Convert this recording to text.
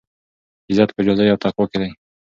عزت په عاجزۍ او تقوا کې دی.